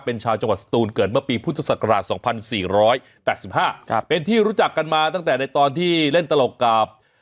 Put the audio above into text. เป็นชาวจังหวัดสตูนเกิดเมื่อปีพุทธศักราช๒๔๘๕เป็นที่รู้จักกันมาตั้งแต่ในตอนที่เล่นตลกกับ